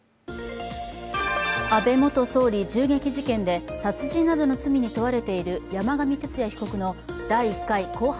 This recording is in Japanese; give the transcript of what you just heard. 安倍元総理銃撃事件で殺人などの罪に問われている山上徹也被告の第１回公判